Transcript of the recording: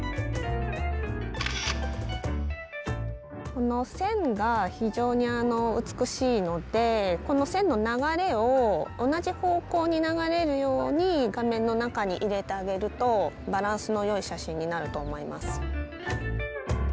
この線が非常に美しいのでこの線の流れを同じ方向に流れるように画面の中に入れてあげるとバランスのよい写真になると思います。